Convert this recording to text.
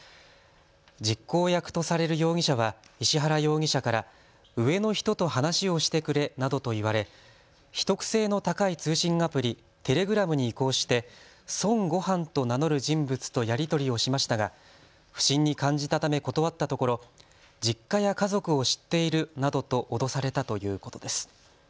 実行役とされる容疑者は石原容疑者から上の人と話をしてくれなどと言われ秘匿性の高い通信アプリ、テレグラムに移行して孫悟飯と名乗る人物とやり取りをしましたが不審に感じたため断ったところ実家や家族を知っているなどと脅されたということです。